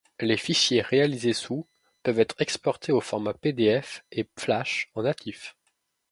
Les fichiers réalisés sous peuvent être exportés aux formats pdf et flash en natif.